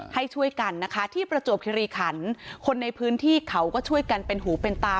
ให้ช่วยกันนะคะที่ประจวบคิริขันคนในพื้นที่เขาก็ช่วยกันเป็นหูเป็นตา